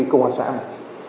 công an xã này